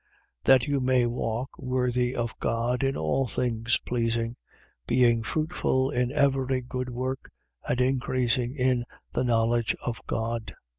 That you may walk worthy of God, in all things pleasing; being fruitful in every good work and increasing in the knowledge of God: 1:11.